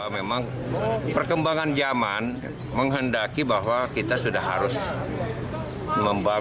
memang perkembangan zaman menghendaki bahwa kita sudah harus membangun